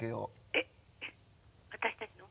☎えっ私たちの？